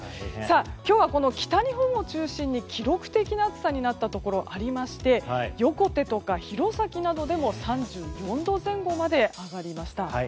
今日は北日本を中心に記録的な暑さになったところがありまして横手とか弘前などでも３４度前後まで上がりました。